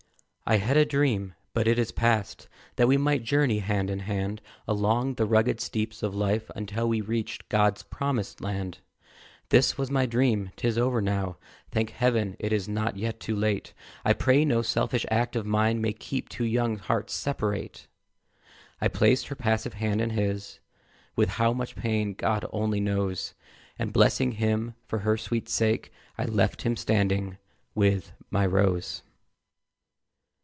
"I had a dream, but it is passed, That we might journey, hand in hand Along the rugged steeps of life, Until we reached God's promised land. "This was my dream; 'tis over now; Thank Heaven, it is not yet too late! I pray no selfish act of mine May keep two young hearts separate." I placed her passive hand in his With how much pain God only knows And blessing him for her sweet sake, I left him standing with my Rose!